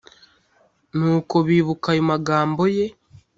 Nuko bibuka ayo magambo ye